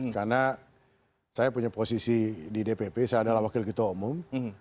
karena saya punya posisi di dpp saya adalah wakil ketua umum